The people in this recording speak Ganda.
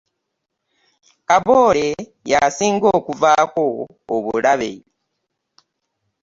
Kaboole yasinga okuvaako obulabe.